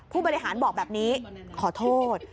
ผู้บริหารบอกแบบนี้ขอโทษ